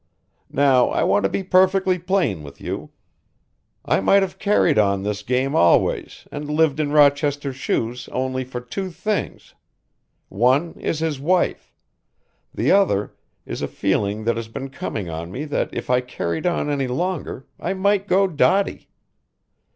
"Now I want to be perfectly plain with you. I might have carried on this game always and lived in Rochester's shoes only for two things, one is his wife, the other is a feeling that has been coming on me that if I carried on any longer I might go dotty.